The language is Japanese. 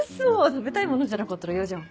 食べたいものじゃなかったら嫌じゃん。